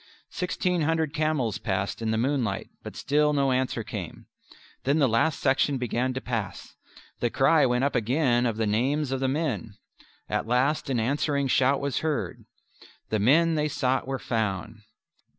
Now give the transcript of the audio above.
Sixteen hundred camels passed in the moonlight, but still no answer came. Then the last section began to pass. The cry went up again of the names of the men. At last an answering shout was heard. The men they sought were found.